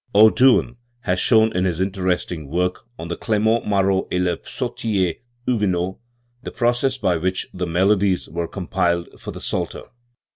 O. Doucn has shown, in his interesting work on Clement Maroi ct h Psauticr Hugue not, the process by which the melodies were compiled for the Psalter.